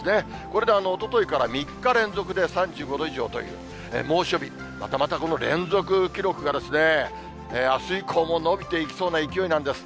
これでおとといから３日連続で３５度以上という猛暑日、またまたこの連続記録が、あす以降も伸びていきそうな勢いなんです。